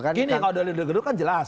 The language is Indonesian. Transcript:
pengadilan yang dulu kan jelas